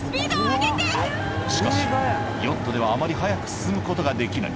しかしヨットではあまり速く進むことができない